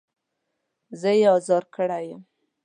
زه يې ازار کړی يم.